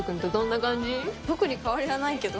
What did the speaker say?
特に変わりはないけど。